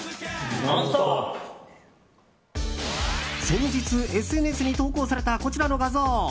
先日、ＳＮＳに投稿されたこちらの画像。